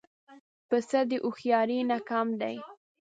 پسه د هوښیارۍ نه کم دی.